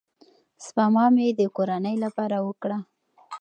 سپما مې د کورنۍ لپاره وکړه.